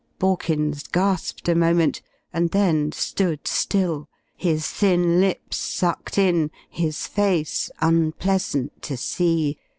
Borkins gasped a moment, and then stood still, his thin lips sucked in, his face unpleasant to see.